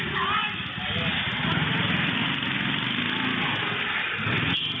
ไป